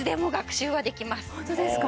ホントですか？